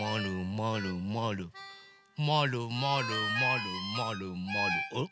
まるまるまるまるまるおっ。